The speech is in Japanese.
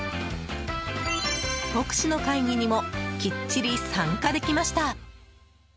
牧師の会議にもきっちり参加できました。